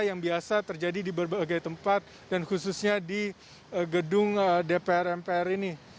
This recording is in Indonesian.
yang biasa terjadi di berbagai tempat dan khususnya di gedung dpr mpr ini